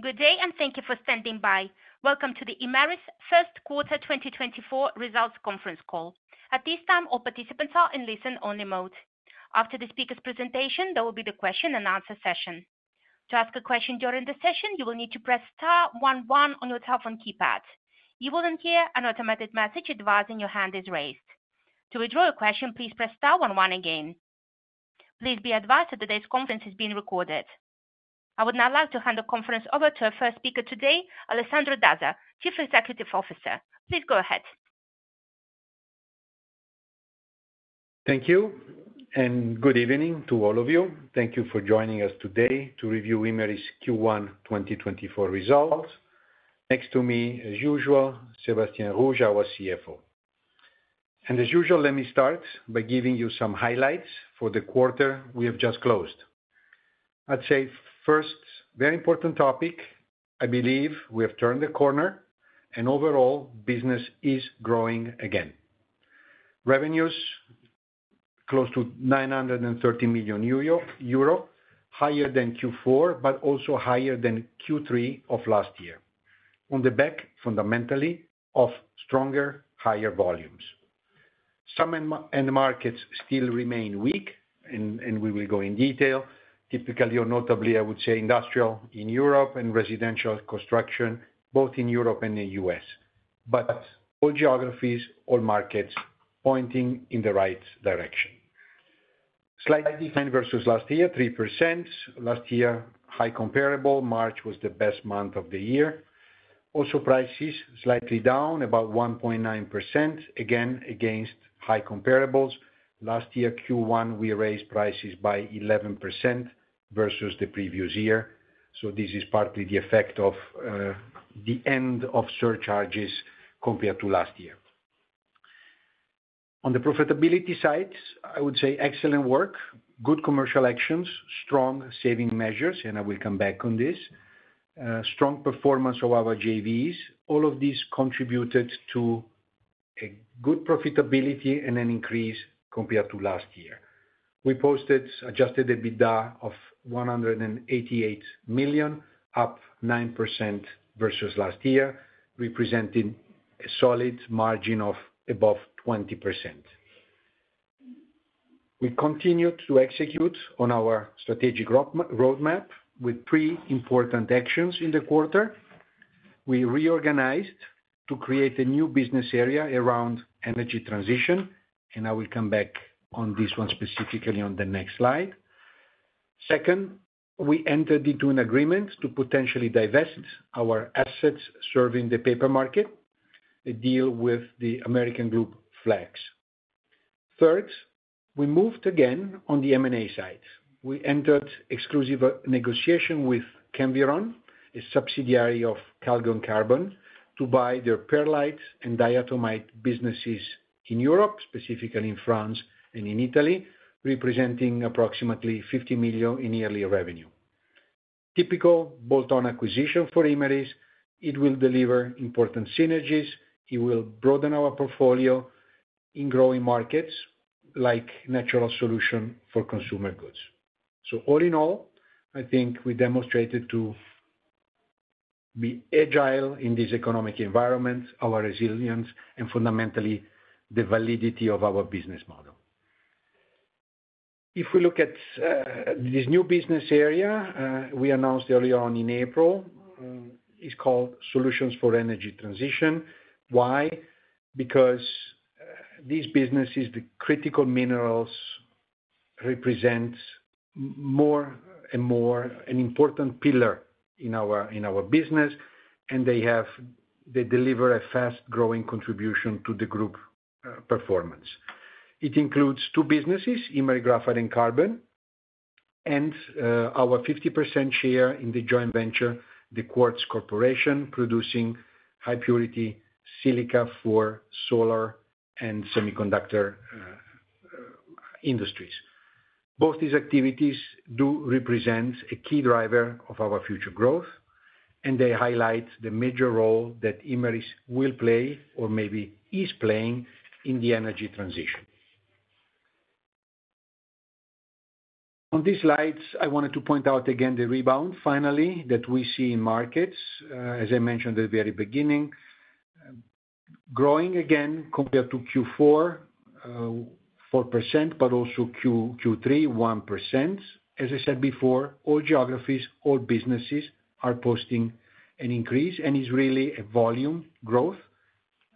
Good day, and thank you for standing by. Welcome to the Imerys first quarter 2024 results conference call. At this time, all participants are in listen-only mode. After the speaker's presentation, there will be the question and answer session. To ask a question during the session, you will need to press star one one on your telephone keypad. You will then hear an automatic message advising your hand is raised. To withdraw your question, please press star one one again. Please be advised that today's conference is being recorded. I would now like to hand the conference over to our first speaker today, Alessandro Dazza, Chief Executive Officer. Please go ahead. Thank you, and good evening to all of you. Thank you for joining us today to review Imerys' Q1 2024 results. Next to me, as usual, Sébastien Rouge, our CFO. As usual, let me start by giving you some highlights for the quarter we have just closed. I'd say first, very important topic, I believe we have turned the corner and overall business is growing again. Revenues, close to 930 million euro, higher than Q4, but also higher than Q3 of last year. On the back, fundamentally of stronger, higher volumes. Some end markets still remain weak, and we will go in detail. Typically, or notably, I would say, industrial in Europe and residential construction, both in Europe and the U.S., but all geographies, all markets pointing in the right direction. Slight decline vs last year, 3%. Last year, high comparable, March was the best month of the year. Also, prices slightly down about 1.9%, again, against high comparables. Last year, Q1, we raised prices by 11% vs the previous year, so this is partly the effect of the end of surcharges compared to last year. On the profitability side, I would say excellent work, good commercial actions, strong saving measures, and I will come back on this. Strong performance of our JVs. All of these contributed to a good profitability and an increase compared to last year. We posted Adjusted EBITDA of 188 million, up 9% vs last year, representing a solid margin of above 20%. We continue to execute on our strategic roadmap with three important actions in the quarter. We reorganized to create a new business area around energy transition, and I will come back on this one specifically on the next slide. Second, we entered into an agreement to potentially divest our assets serving the paper market, a deal with the American group, Flacks Group. Third, we moved again on the M&A side. We entered exclusive negotiation with Chemviron, a subsidiary of Calgon Carbon, to buy their perlite and diatomite businesses in Europe, specifically in France and in Italy, representing approximately 50 million in yearly revenue. Typical bolt-on acquisition for Imerys. It will deliver important synergies, it will broaden our portfolio in growing markets, like natural solution for consumer goods. So all in all, I think we demonstrated to be agile in this economic environment, our resilience, and fundamentally, the validity of our business model. If we look at this new business area, we announced earlier on in April, it's called Solutions for Energy Transition. Why? Because these businesses, the critical minerals, represents more and more an important pillar in our, in our business, and they have. They deliver a fast-growing contribution to the group performance. It includes two businesses, Imerys Graphite & Carbon, and our 50% share in the joint venture, The Quartz Corporation, producing high-purity silica for solar and semiconductor industries. Both these activities do represent a key driver of our future growth, and they highlight the major role that Imerys will play or maybe is playing in the energy transition. On these slides, I wanted to point out again the rebound, finally, that we see in markets. As I mentioned at the very beginning, growing again compared to Q4, 4%, but also Q3, 1%. As I said before, all geographies, all businesses are posting an increase, and it's really a volume growth.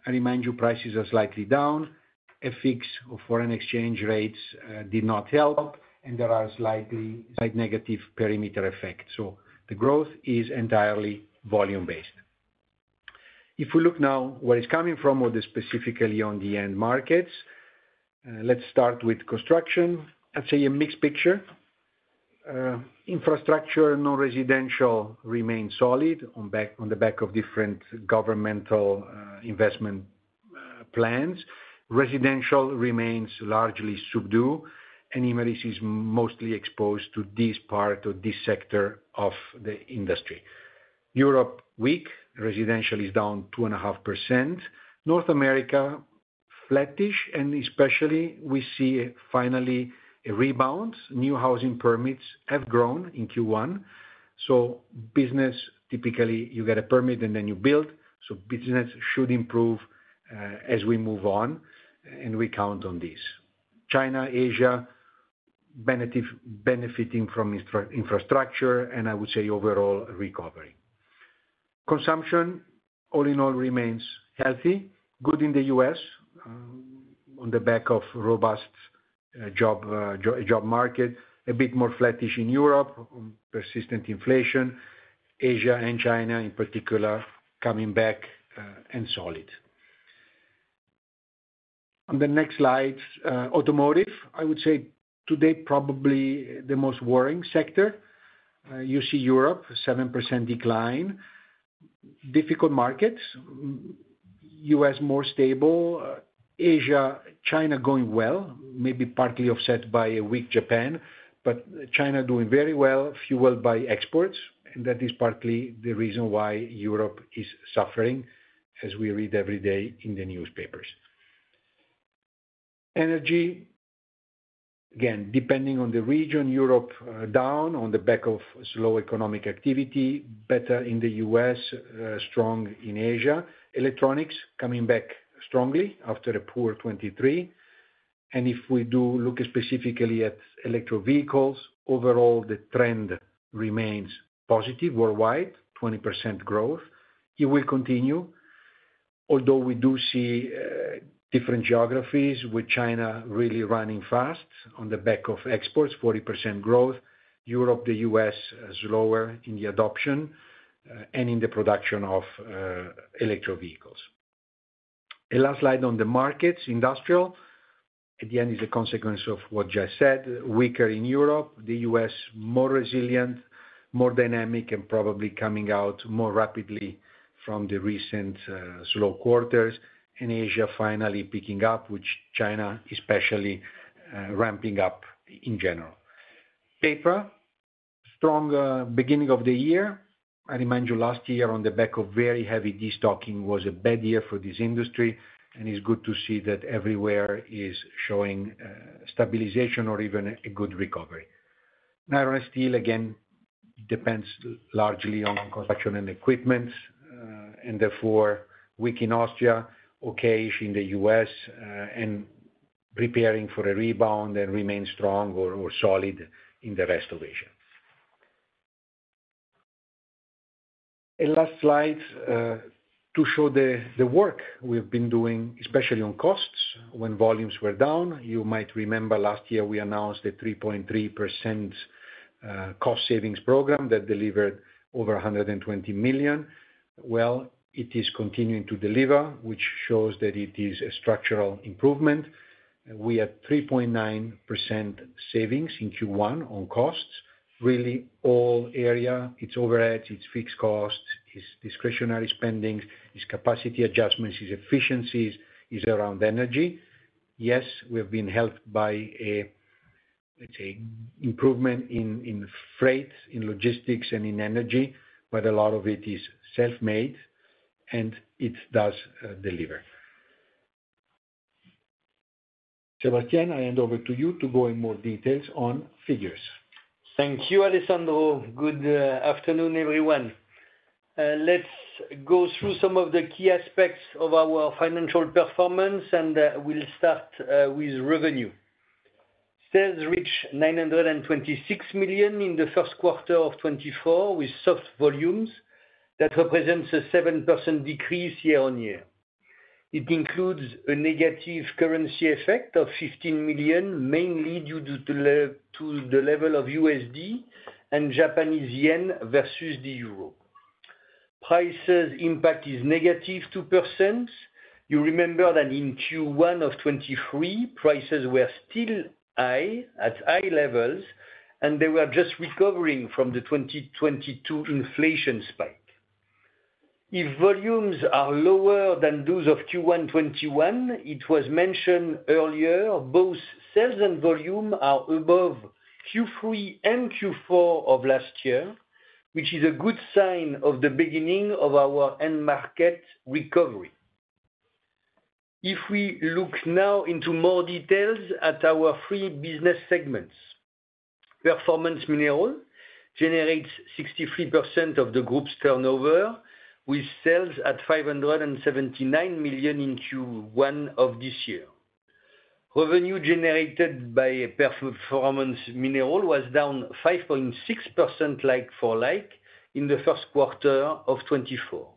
I remind you, prices are slightly down. At fixed foreign exchange rates did not help, and there is a slight negative perimeter effect. So the growth is entirely volume-based. If we look now where it's coming from, or specifically on the end markets, let's start with construction. I'd say a mixed picture. Infrastructure, non-residential remains solid on the back of different governmental investment plans. Residential remains largely subdued, and Imerys is mostly exposed to this part or this sector of the industry. Europe, weak. Residential is down 2.5%. North America, flattish, and especially we see finally a rebound. New housing permits have grown in Q1, so business, typically, you get a permit and then you build, so business should improve, as we move on, and we count on this. China, Asia, benefiting from infrastructure, and I would say overall recovery. Consumption, all in all, remains healthy, good in the U.S., on the back of robust job market. A bit more flattish in Europe, persistent inflation. Asia and China, in particular, coming back, and solid. On the next slide, automotive, I would say today, probably the most worrying sector. You see Europe, 7% decline. Difficult markets, U.S. more stable, Asia, China going well, maybe partly offset by a weak Japan, but China doing very well, fueled by exports, and that is partly the reason why Europe is suffering, as we read every day in the newspapers. Energy, again, depending on the region, Europe, down on the back of slow economic activity, better in the U.S., strong in Asia. Electronics coming back strongly after a poor 2023. And if we do look specifically at electric vehicles, overall, the trend remains positive worldwide, 20% growth. It will continue, although we do see, different geographies, with China really running fast on the back of exports, 40% growth. Europe, the U.S., is lower in the adoption, and in the production of, electric vehicles. A last slide on the markets. Industrial, at the end, is a consequence of what I just said. Weaker in Europe, the U.S., more resilient, more dynamic, and probably coming out more rapidly from the recent, slow quarters, and Asia finally picking up, which China especially, ramping up in general. Paper, strong, beginning of the year. I remind you, last year, on the back of very heavy destocking, was a bad year for this industry, and it's good to see that everywhere is showing, stabilization or even a good recovery. Iron and steel, again, depends largely on construction and equipment, and therefore, weak in Austria, okay ish in the U.S., and preparing for a rebound and remain strong or solid in the rest of Asia. A last slide, to show the work we've been doing, especially on costs when volumes were down. You might remember last year we announced a 3.3%, cost savings program that delivered over 120 million. Well, it is continuing to deliver, which shows that it is a structural improvement. We had 3.9% savings in Q1 on costs. Really, all area, it's overhead, it's fixed costs, it's discretionary spendings, it's capacity adjustments, it's efficiencies, it's around energy. Yes, we've been helped by a, let's say, improvement in, in freight, in logistics, and in energy, but a lot of it is self-made, and it does deliver. Sébastien, I hand over to you to go in more details on figures. Thank you, Alessandro. Good afternoon, everyone. Let's go through some of the key aspects of our financial performance, and we'll start with revenue. Sales reached 926 million in the first quarter of 2024, with soft volumes. That represents a 7% decrease year-on-year. It includes a negative currency effect of 15 million, mainly due to the level of USD and Japanese Yen vs the Euro. Price impact is negative 2%. You remember that in Q1 of 2023, prices were still high, at high levels, and they were just recovering from the 2022 inflation spike. If volumes are lower than those of Q1 2021, it was mentioned earlier, both sales and volume are above Q3 and Q4 of last year, which is a good sign of the beginning of our end market recovery. If we look now into more details at our three business segments, Performance Minerals generates 63% of the group's turnover, with sales at 579 million in Q1 of this year. Revenue generated by Performance Minerals was down 5.6% like for like in the first quarter of 2024.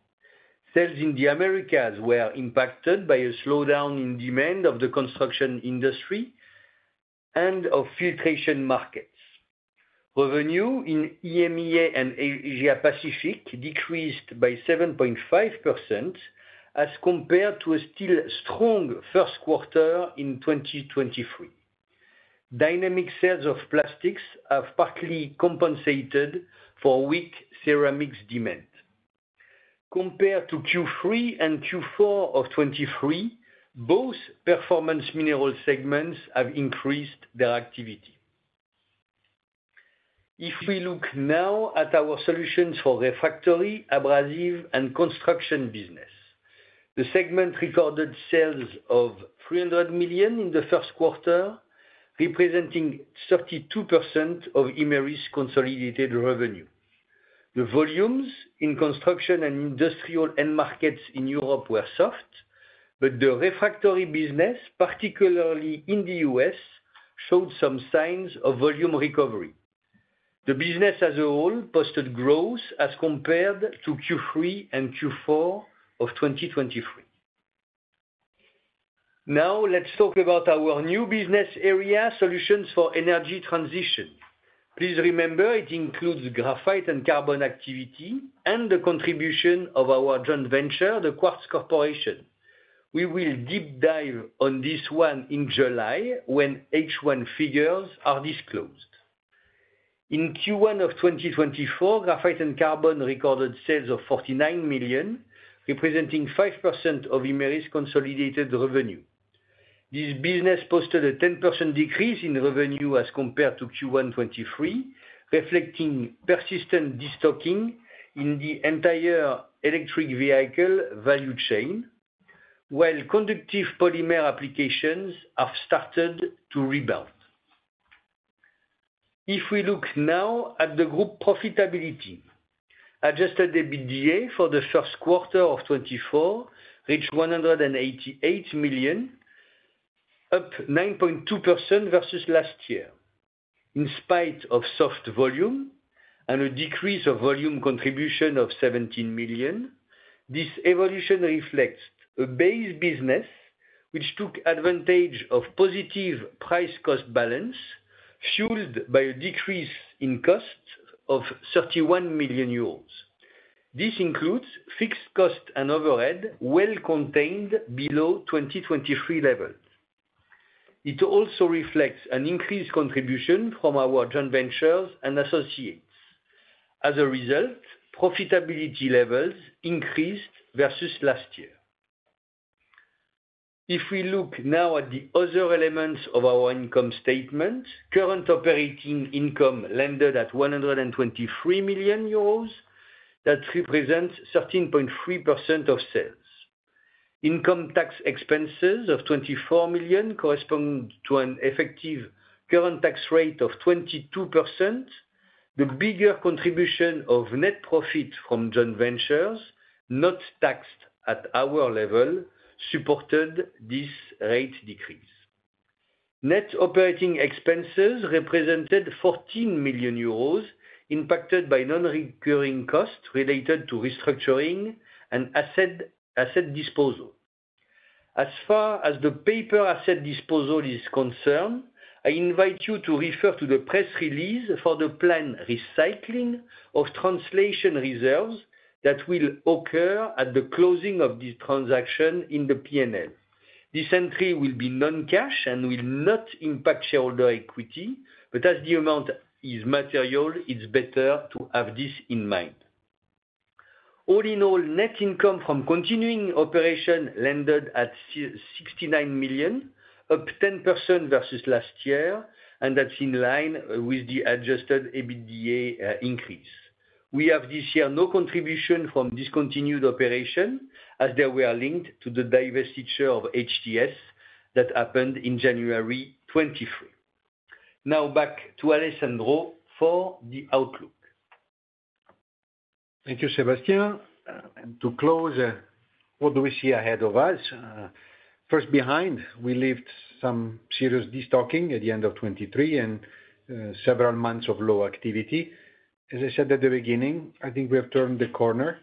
Sales in the Americas were impacted by a slowdown in demand of the construction industry and of filtration markets. Revenue in EMEA and Asia Pacific decreased by 7.5% as compared to a still strong first quarter in 2023. Dynamic sales of plastics have partly compensated for weak ceramics demand. Compared to Q3 and Q4 of 2023, both Performance Minerals segments have increased their activity. If we look now at our solutions for Refractory, Abrasives and Construction business, the segment recorded sales of 300 million in the first quarter, representing 32% of Imerys' consolidated revenue. The volumes in construction and industrial end markets in Europe were soft, but the refractory business, particularly in the U.S., showed some signs of volume recovery. The business as a whole posted growth as compared to Q3 and Q4 of 2023. Now, let's talk about our new business area, solutions for energy transition. Please remember, it includes Graphite & Carbon activity and the contribution of our joint venture, The Quartz Corporation. We will deep dive on this one in July, when H1 figures are disclosed. In Q1 of 2024, Graphite & Carbon recorded sales of 49 million, representing 5% of Imerys' consolidated revenue. This business posted a 10% decrease in revenue as compared to Q1 2023, reflecting persistent destocking in the entire electric vehicle value chain, while conductive polymer applications have started to rebound. If we look now at the group profitability, adjusted EBITDA for the first quarter of 2024 reached 188 million, up 9.2% vs last year. In spite of soft volume and a decrease of volume contribution of 17 million, this evolution reflects a base business which took advantage of positive price-cost balance, fueled by a decrease in cost of 31 million euros. This includes fixed cost and overhead, well contained below 2023 levels. It also reflects an increased contribution from our joint ventures and associates. As a result, profitability levels increased vs last year. If we look now at the other elements of our income statement, current operating income landed at 123 million euros. That represents 13.3% of sales. Income tax expenses of 24 million correspond to an effective current tax rate of 22%. The bigger contribution of net profit from joint ventures, not taxed at our level, supported this rate decrease. Net operating expenses represented 14 million euros, impacted by non-recurring costs related to restructuring and asset, asset disposal. As far as the paper asset disposal is concerned, I invite you to refer to the press release for the planned recycling of translation reserves that will occur at the closing of this transaction in the P&L. This entry will be non-cash and will not impact shareholder equity, but as the amount is material, it's better to have this in mind. All in all, net income from continuing operation landed at 69 million, up 10% vs last year, and that's in line with the adjusted EBITDA increase. We have this year, no contribution from discontinued operation, as they were linked to the divestiture of HTS that happened in January 2023. Now, back to Alessandro for the outlook. Thank you, Sébastien. And to close, what do we see ahead of us? First, behind, we left some serious destocking at the end of 2023 and several months of low activity. As I said at the beginning, I think we have turned the corner,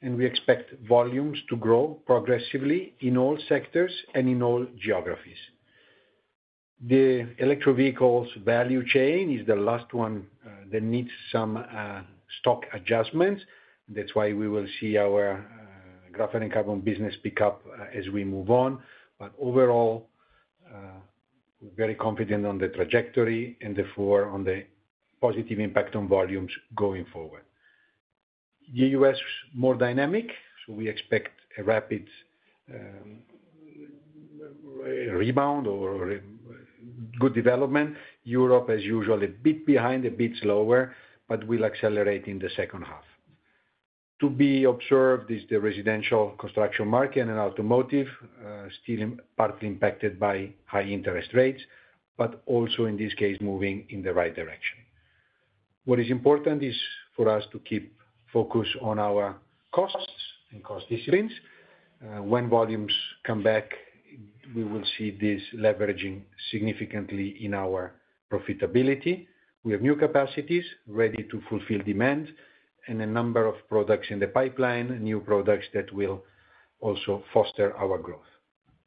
and we expect volumes to grow progressively in all sectors and in all geographies. The electric vehicles value chain is the last one that needs some stock adjustment. That's why we will see our Graphite & Carbon business pick up as we move on. But overall, we're very confident on the trajectory and therefore on the positive impact on volumes going forward. The U.S. is more dynamic, so we expect a rapid rebound or good development. Europe, as usual, a bit behind, a bit slower, but will accelerate in the second half. To be observed is the residential construction market and automotive, still partly impacted by high interest rates, but also in this case, moving in the right direction. What is important is for us to keep focused on our costs and cost disciplines. When volumes come back, we will see this leveraging significantly in our profitability. We have new capacities ready to fulfill demand and a number of products in the pipeline, new products that will also foster our growth.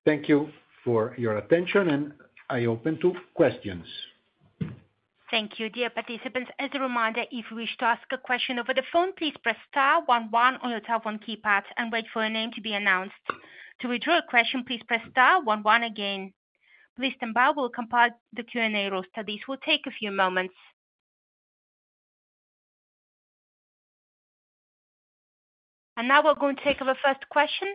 Thank you for your attention, and I open to questions. Thank you, dear participants. As a reminder, if you wish to ask a question over the phone, please press star one one on your telephone keypad and wait for your name to be announced. To withdraw a question, please press star one one again. Please stand by. We'll compile the Q&A roster. This will take a few moments. And now we're going to take our first question,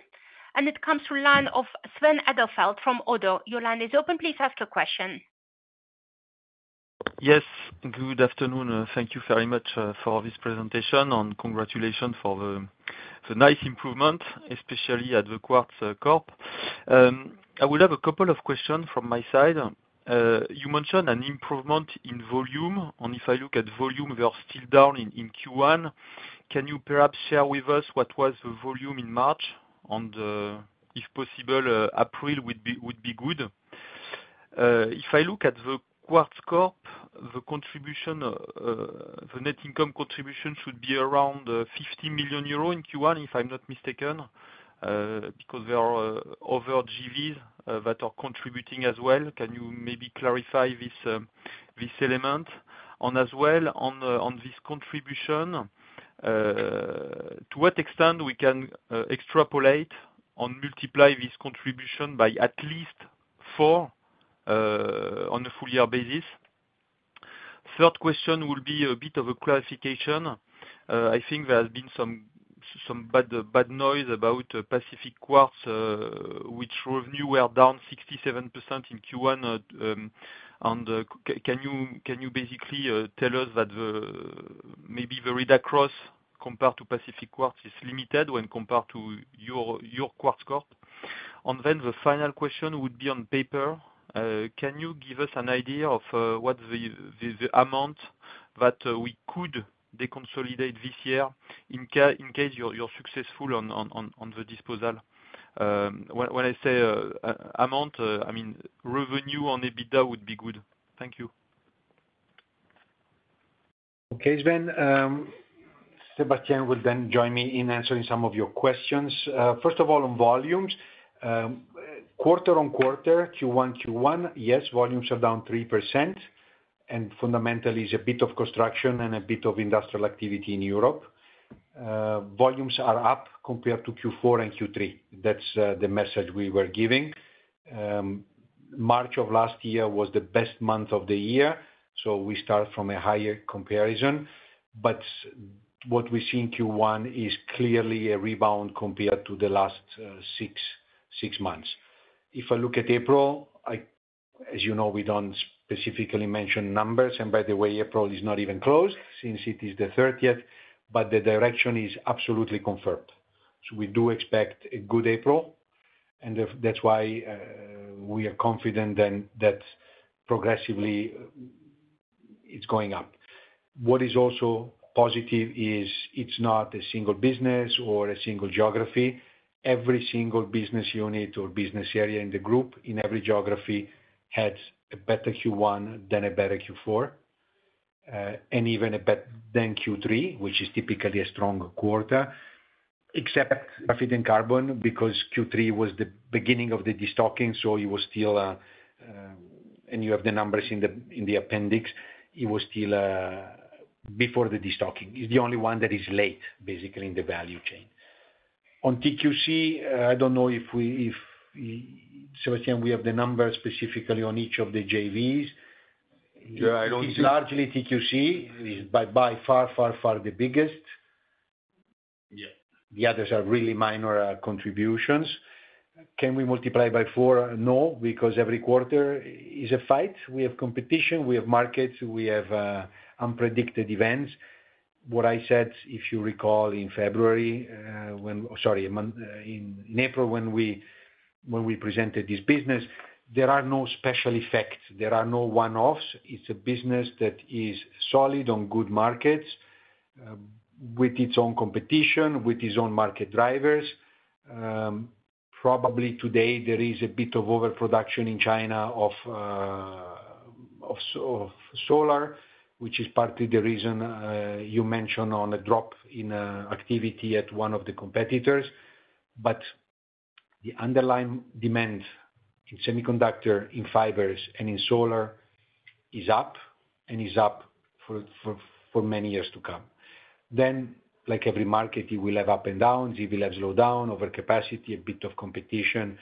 and it comes through line of Sven Edelfelt from ODDO BHF. Your line is open. Please ask your question. Yes, good afternoon. Thank you very much for this presentation, and congratulations for the nice improvement, especially at The Quartz Corp. I would have a couple of questions from my side. You mentioned an improvement in volume, and if I look at volume, we are still down in Q1. Can you perhaps share with us what was the volume in March, and if possible, April would be good? If I look at The Quartz Corp., the contribution, the net income contribution should be around 50 million euros in Q1, if I'm not mistaken, because there are other JVs that are contributing as well. Can you maybe clarify this element? As well, on this contribution, to what extent we can extrapolate and multiply this contribution by at least four on a full year basis? Third question would be a bit of a clarification. I think there has been some bad noise about Pacific Quartz, which revenue were down 67% in Q1, and can you basically tell us that the maybe the read across compared to Pacific Quartz is limited when compared to your Quartz Corp? And then the final question would be on paper. Can you give us an idea of what the amount that we could deconsolidate this year in case you're successful on the disposal? When I say amount, I mean, revenue on EBITDA would be good. Thank you. Okay, Sven, Sébastien will then join me in answering some of your questions. First of all, on volumes, quarter-on-quarter, Q1, Q1, yes, volumes are down 3%, and fundamentally is a bit of construction and a bit of industrial activity in Europe. Volumes are up compared to Q4 and Q3. That's the message we were giving. March of last year was the best month of the year, so we start from a higher comparison. But what we see in Q1 is clearly a rebound compared to the last six months. If I look at April, as you know, we don't specifically mention numbers, and by the way, April is not even closed since it is the 13th, but the direction is absolutely confirmed. So we do expect a good April, and that's why we are confident then that progressively it's going up. What is also positive is it's not a single business or a single geography. Every single business unit or business area in the group, in every geography, had a better Q1 than a better Q4, and even than Q3, which is typically a stronger quarter, except Graphite & Carbon, because Q3 was the beginning of the destocking, so it was still. And you have the numbers in the appendix. It was still before the destocking. It's the only one that is late, basically, in the value chain. On TQC, I don't know if we, Sébastien, we have the numbers specifically on each of the JVs. Yeah, I don't- It's largely TQC, by far the biggest. Yeah. The others are really minor contributions. Can we multiply by four? No, because every quarter is a fight. We have competition, we have markets, we have unpredicted events. What I said, if you recall, in February. Sorry, in April, when we, when we presented this business, there are no special effects. There are no one-offs. It's a business that is solid on good markets, with its own competition, with its own market drivers. Probably today, there is a bit of overproduction in China of solar, which is partly the reason you mentioned on a drop in activity at one of the competitors. But the underlying demand in semiconductor, in fibers, and in solar is up, and is up for many years to come. Then, like every market, you will have ups and downs. You will have slowdown, overcapacity, a bit of competition.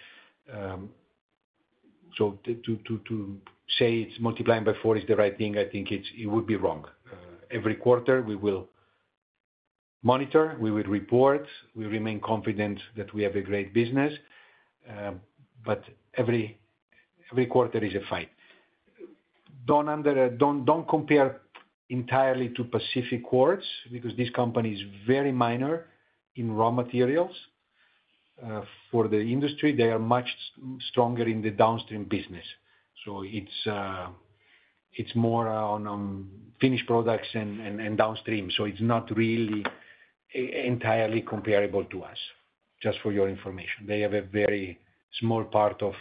So to say it's multiplying by four is the right thing, I think it would be wrong. Every quarter, we will monitor, we will report. We remain confident that we have a great business, but every quarter is a fight. Don't compare entirely to Pacific Quartz, because this company is very minor in raw materials. For the industry, they are much stronger in the downstream business. So it's more on finished products and downstream, so it's not really entirely comparable to us, just for your information. They have a very small part of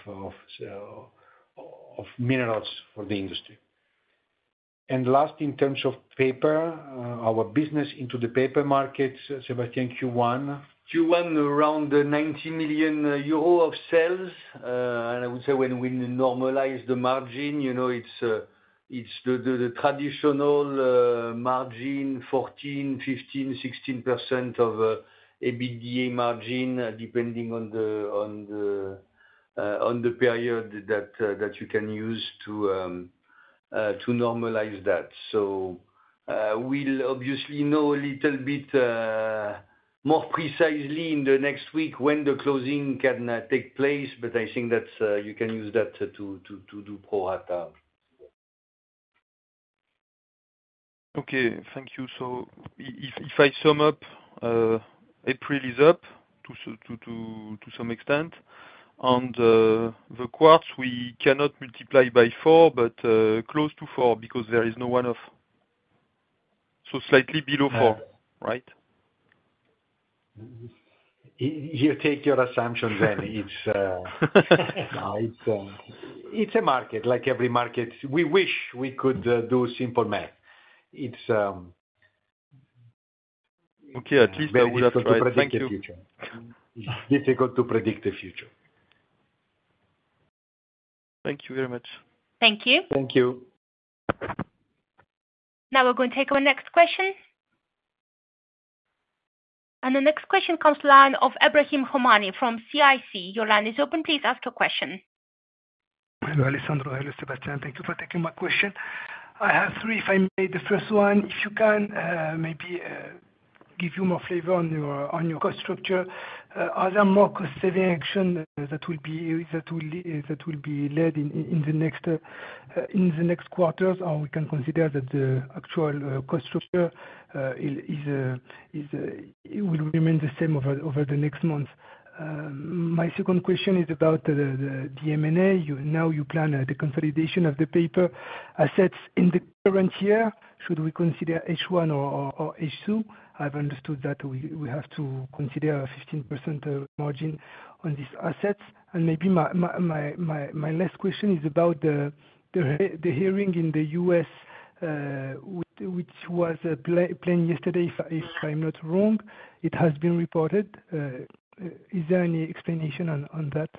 minerals for the industry. And last, in terms of paper, our business into the paper markets, Sébastien, Q1? Q1, around 90 million euros of sales. And I would say when we normalize the margin, you know, it's the traditional margin, 14%-16% EBITDA margin, depending on the period that you can use to normalize that. So, we'll obviously know a little bit more precisely in the next week when the closing can take place, but I think that's you can use that to do pro rata. Okay, thank you. So if, if I sum up, April is up to some extent, and the quartz we cannot multiply by four, but close to four because there is no one-off. So slightly below four. Yeah. Right? You take your assumption then. It's no, it's a market, like every market. We wish we could do simple math. It's Okay, I just wanted to try. Thank you. It's difficult to predict the future. Thank you very much. Thank you. Thank you. Now we're going to take our next question. The next question comes from the line of Ebrahim Homani from CIC. Your line is open. Please ask your question. Hello, Alessandro. Hello, Sébastien. Thank you for taking my question. I have three, if I may. The first one, if you can maybe give you more flavor on your cost structure. Are there more cost saving action that will be led in the next quarters? Or we can consider that the actual cost structure is it will remain the same over the next months. My second question is about the M&A. Now you plan the consolidation of the paper assets in the current year. Should we consider H1 or H2? I've understood that we have to consider a 15% margin on these assets. Maybe my last question is about the hearing in the U.S., which was planned yesterday, if I'm not wrong. It has been reported. Is there any explanation on that?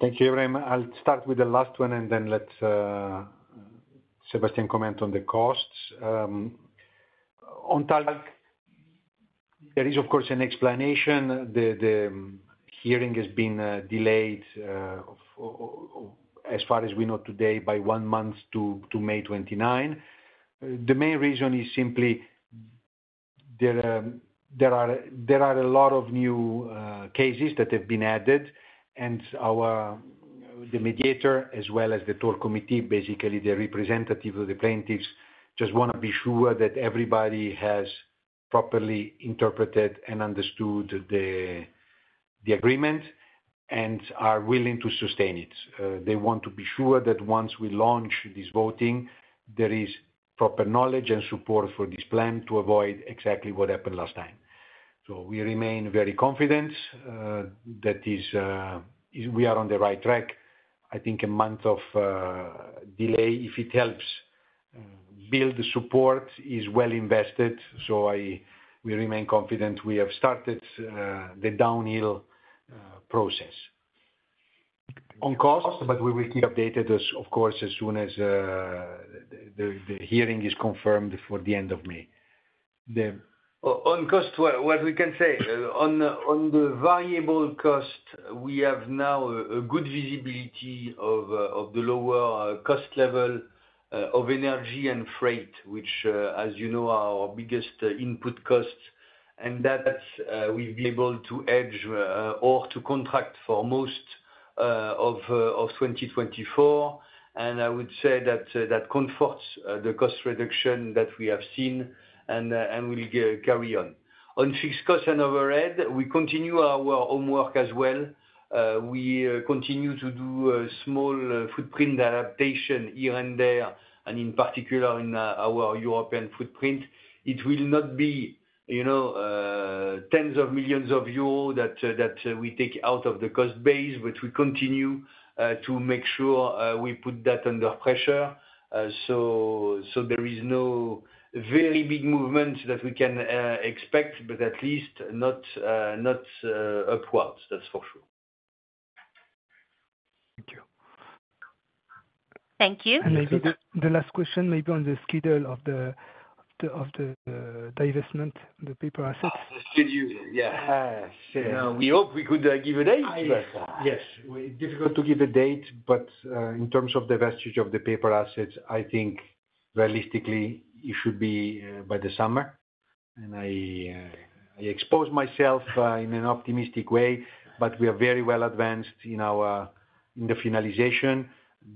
Thank you, Ebrahim. I'll start with the last one, and then let Sébastien comment on the costs. On target, there is of course an explanation. The hearing has been delayed, as far as we know today, by one month to May 29. The main reason is simply there are a lot of new cases that have been added, and the mediator, as well as the Tort Committee, basically the representative of the plaintiffs, just wanna be sure that everybody has properly interpreted and understood the agreement and are willing to sustain it. They want to be sure that once we launch this voting, there is proper knowledge and support for this plan to avoid exactly what happened last time. So we remain very confident, that is, we are on the right track. I think a month of delay, if it helps build the support, is well invested, so I. We remain confident. We have started the downhill process. On costs. But we will keep updated as, of course, as soon as the hearing is confirmed for the end of May. On cost, what we can say on the variable cost, we have now a good visibility of the lower cost level of energy and freight, which, as you know, are our biggest input costs. And that we'll be able to hedge or to contract for most of 2024. And I would say that that comforts the cost reduction that we have seen and will carry on. On fixed cost and overhead, we continue our homework as well. We continue to do a small footprint adaptation here and there, and in particular in our European footprint. It will not be, you know, tens of millions EUR that we take out of the cost base, but we continue to make sure we put that under pressure. So, there is no very big movement that we can expect, but at least not upwards, that's for sure. Thank you. Thank you. Maybe the last question, maybe on the schedule of the divestment, the paper assets? Schedule, yeah. Ah, yes. You know, we hope we could give a date. Yes, it's difficult to give a date, but in terms of divestiture of the paper assets, I think realistically it should be by the summer. I expose myself in an optimistic way, but we are very well advanced in our finalization.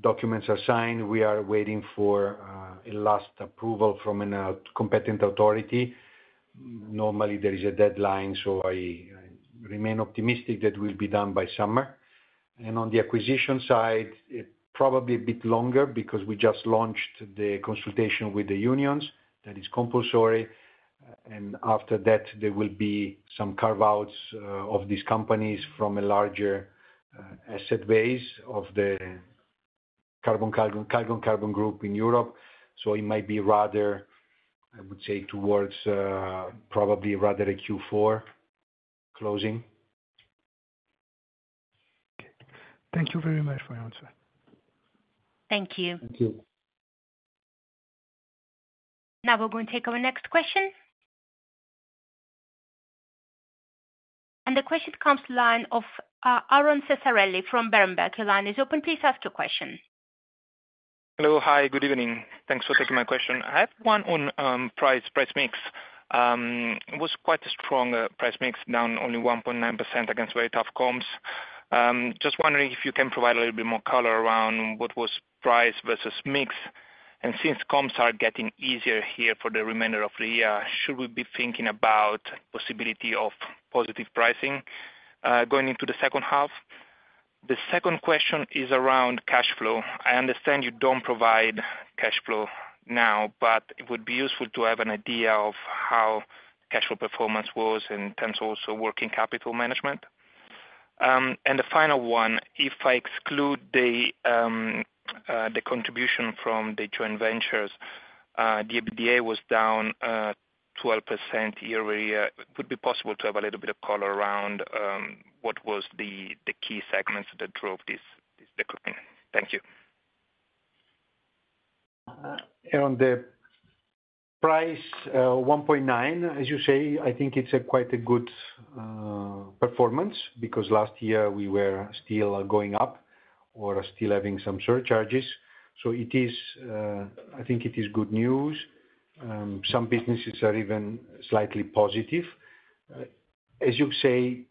Documents are signed. We are waiting for a last approval from a competent authority. Normally, there is a deadline, so I remain optimistic that will be done by summer. On the acquisition side, it probably a bit longer because we just launched the consultation with the unions. That is compulsory. After that, there will be some carve-outs of these companies from a larger asset base of the Calgon Carbon group in Europe. So it might be rather, I would say, towards probably rather a Q4 closing. Okay. Thank you very much for your answer. Thank you. Thank you. Now we're going to take our next question. The question comes from the line of Aron Ceccarelli from Berenberg. Your line is open. Please ask your question. Hello, hi, good evening. Thanks for taking my question. I have one on price, price mix. It was quite a strong price mix, down only 1.9% against very tough comps. Just wondering if you can provide a little bit more color around what was price vs mix. And since comps are getting easier here for the remainder of the year, should we be thinking about possibility of positive pricing going into the second half? The second question is around cash flow. I understand you don't provide cash flow now, but it would be useful to have an idea of how cash flow performance was in terms of also working capital management. And the final one, if I exclude the contribution from the joint ventures, the EBITDA was down 12% year-over-year. Would it be possible to have a little bit of color around what was the key segments that drove this decline? Thank you. And on the price, 1.9, as you say, I think it's a quite a good performance, because last year we were still going up or still having some surcharges. So it is, I think it is good news. Some businesses are even slightly positive. As you say,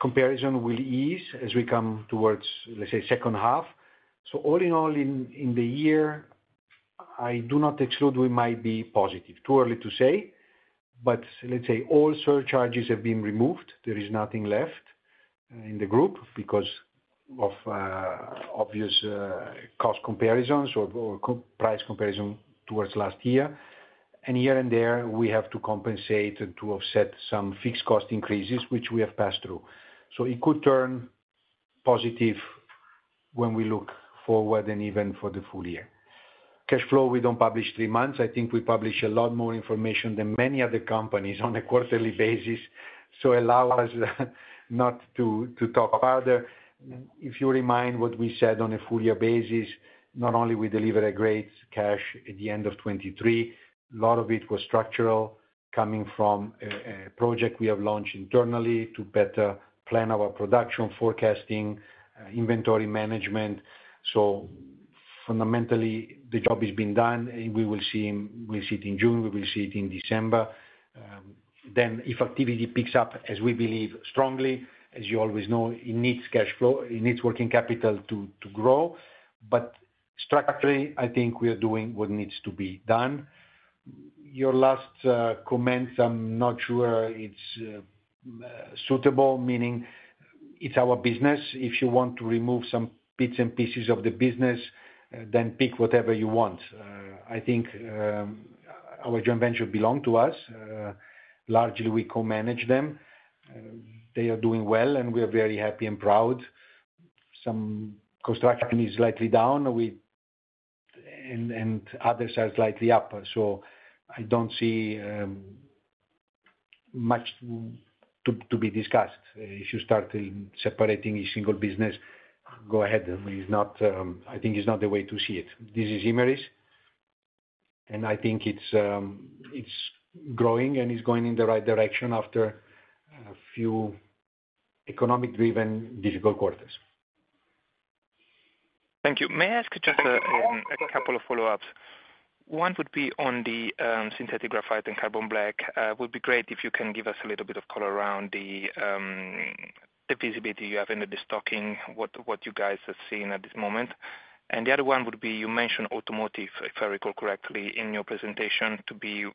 comparison will ease as we come towards, let's say, second half. So all in all, in the year, I do not exclude we might be positive. Too early to say, but let's say all surcharges have been removed. There is nothing left in the group because of obvious cost comparisons or price comparison towards last year. And here and there, we have to compensate and to offset some fixed cost increases, which we have passed through. So it could turn positive when we look forward and even for the full year. Cash flow, we don't publish three months. I think we publish a lot more information than many other companies on a quarterly basis, so allow us not to talk further. If you remind what we said on a full year basis, not only we deliver a great cash at the end of 2023, a lot of it was structural coming from a project we have launched internally to better plan our production, forecasting, inventory management. So fundamentally, the job has been done, and we'll see it in June, we will see it in December. Then if activity picks up as we believe strongly, as you always know, it needs cash flow, it needs working capital to grow. But structurally, I think we are doing what needs to be done. Your last comments, I'm not sure it's suitable, meaning it's our business. If you want to remove some bits and pieces of the business, then pick whatever you want. I think our joint venture belong to us. Largely, we co-manage them. They are doing well, and we are very happy and proud. Some construction is slightly down. And others are slightly up, so I don't see much to be discussed. If you start separating each single business, go ahead. It's not, I think it's not the way to see it. This is Imerys, and I think it's growing and is going in the right direction after a few economic-driven, difficult quarters. Thank you. May I ask just a, a couple of follow-ups? One would be on the, synthetic Graphite and Carbon Black. Would be great if you can give us a little bit of color around the, the visibility you have in the destocking, what, what you guys have seen at this moment. And the other one would be, you mentioned automotive, if I recall correctly, in your presentation to be,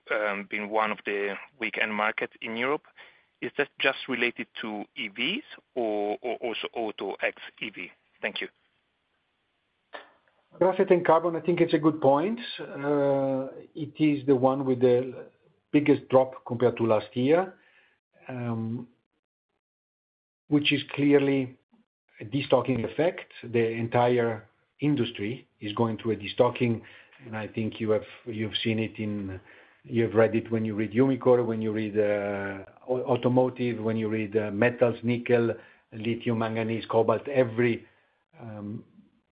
being one of the weak end markets in Europe. Is that just related to EVs or, also auto X EV? Thank you. Graphite & Carbon, I think it's a good point. It is the one with the biggest drop compared to last year, which is clearly a destocking effect. The entire industry is going through a destocking, and I think you have, you've seen it in. You've read it when you read Umicore, when you read, automotive, when you read, metals, nickel, lithium, manganese, cobalt. Every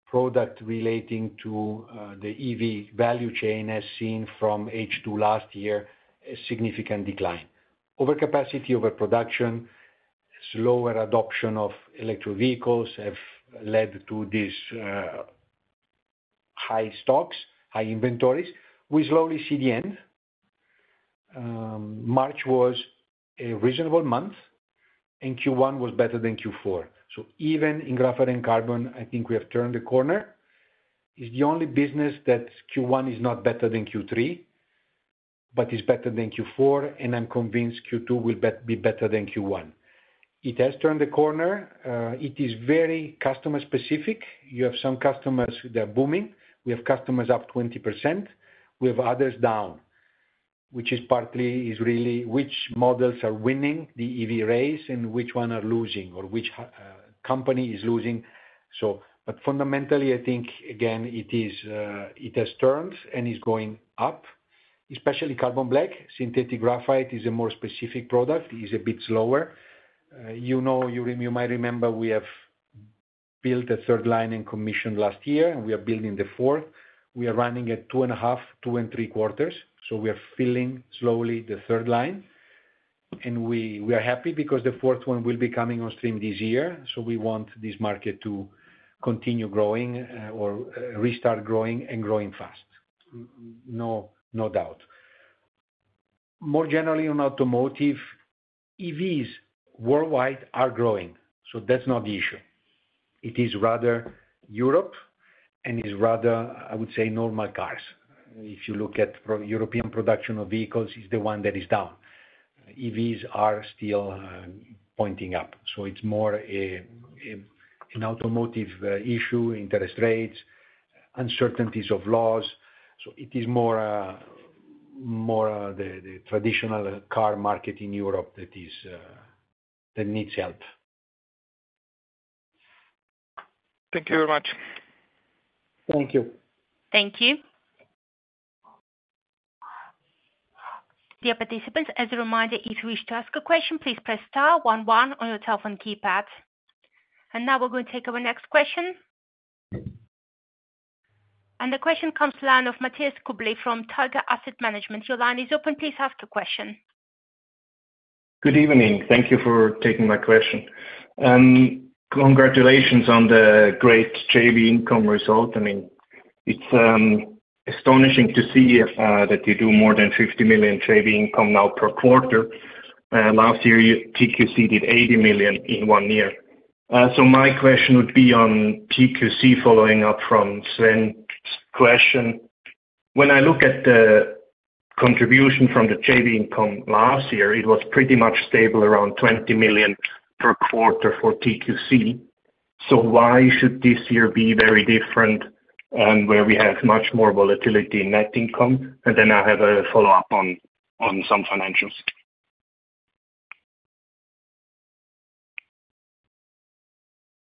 product relating to the EV value chain as seen from H2 last year, a significant decline. Overcapacity, overproduction, slower adoption of electric vehicles have led to this, high stocks, high inventories. We slowly see the end. March was a reasonable month, and Q1 was better than Q4. So even in Graphite & Carbon, I think we have turned the corner. It's the only business that Q1 is not better than Q3, but is better than Q4, and I'm convinced Q2 will be better than Q1. It has turned the corner. It is very customer specific. You have some customers, they're booming. We have customers up 20%. We have others down, which is partly, is really which models are winning the EV race and which one are losing, or which company is losing. But fundamentally, I think, again, it is, it has turned and is going up, especially carbon black. Synthetic graphite is a more specific product, it is a bit slower. You know, you might remember we have built a third line and commissioned last year, and we are building the fourth. We are running at 2.5-2.75, so we are filling slowly the third line. We are happy because the fourth one will be coming on stream this year, so we want this market to continue growing, or restart growing and growing fast. No, no doubt. More generally, on automotive, EVs worldwide are growing, so that's not the issue. It is rather Europe, and it is rather, I would say, normal cars. If you look at pure European production of vehicles, is the one that is down. EVs are still pointing up, so it's more an automotive issue, interest rates, uncertainties of laws. So it is more the traditional car market in Europe that needs help. Thank you very much. Thank you. Thank you. Dear participants, as a reminder, if you wish to ask a question, please press star one one on your telephone keypad. Now we're going to take our next question. The question comes line of Matthias Kubli from Tiger Asset Management. Your line is open. Please ask your question. Good evening. Thank you for taking my question. Congratulations on the great JV income result. I mean, it's astonishing to see that you do more than 50 million JV income now per quarter. Last year, you TQC did 80 million in one year. So my question would be on TQC, following up from Sven's question. When I look at the contribution from the JV income last year, it was pretty much stable, around 20 million per quarter for TQC. So why should this year be very different, and where we have much more volatility in net income? And then I have a follow-up on some financials.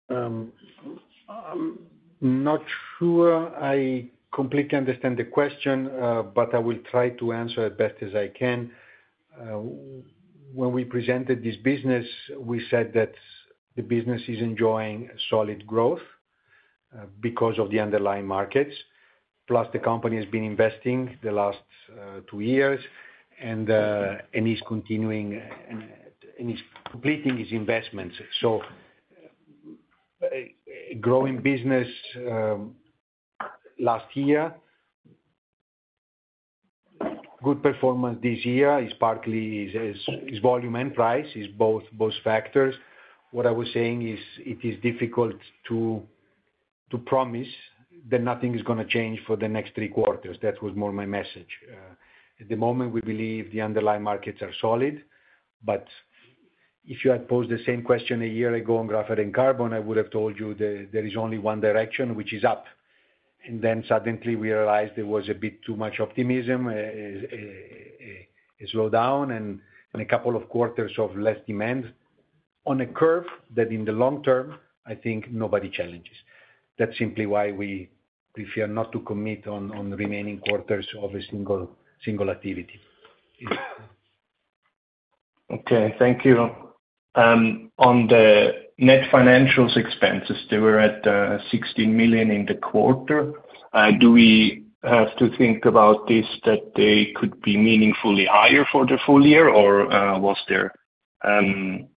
I'm not sure I completely understand the question, but I will try to answer as best as I can. When we presented this business, we said that the business is enjoying solid growth because of the underlying markets. Plus, the company has been investing the last two years and is continuing and is completing its investments. So, a growing business last year. Good performance this year is partly volume and price, both factors. What I was saying is, it is difficult to promise that nothing is gonna change for the next three quarters. That was more my message. At the moment, we believe the underlying markets are solid, but if you had posed the same question a year ago on Graphite & Carbon, I would have told you that there is only one direction, which is up. And then suddenly we realized there was a bit too much optimism, a slowdown and a couple of quarters of less demand on a curve that in the long term, I think nobody challenges. That's simply why we prefer not to commit on the remaining quarters of a single activity. Okay, thank you. On the net financials expenses, they were at 16 million in the quarter. Do we have to think about this, that they could be meaningfully higher for the full year, or was there.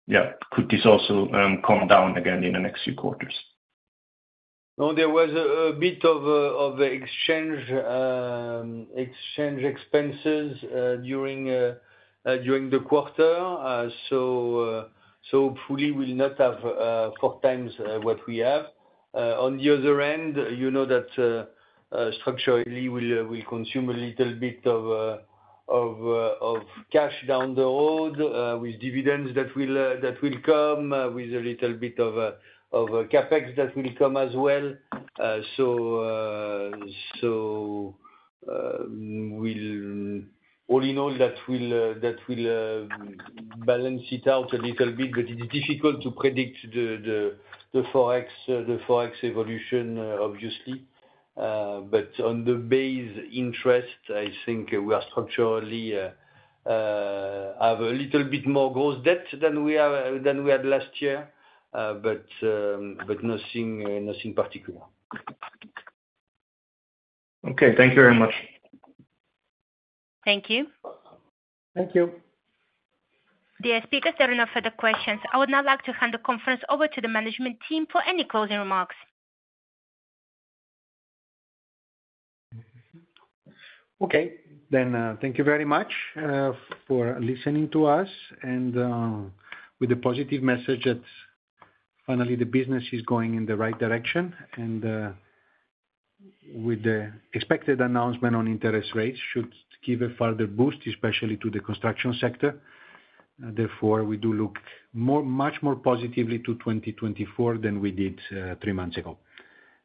Yeah. Could this also come down again in the next few quarters? No, there was a bit of exchange expenses during the quarter. So, hopefully we'll not have four times what we have. On the other end, you know that structurally we consume a little bit of cash down the road with dividends that will come with a little bit of CapEx that will come as well. So, all in all, that will balance it out a little bit, but it is difficult to predict the Forex Evolution, obviously. But on the base interest, I think we are structurally have a little bit more gross debt than we had last year, but nothing particular. Okay, thank you very much. Thank you. Thank you. Dear speakers, there are no further questions. I would now like to hand the conference over to the management team for any closing remarks. Okay. Then, thank you very much, for listening to us and, with a positive message that finally the business is going in the right direction, and, with the expected announcement on interest rates should give a further boost, especially to the construction sector. Therefore, we do look more, much more positively to 2024 than we did, three months ago.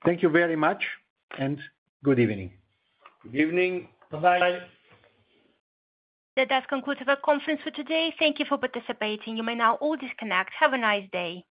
Thank you very much, and good evening. Good evening. Bye-bye. That does conclude our conference for today. Thank you for participating. You may now all disconnect. Have a nice day!